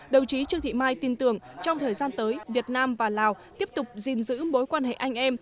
đồng chí trương thị mai tin tưởng trong thời gian tới việt nam và lào tiếp tục gìn giữ mối quan hệ anh em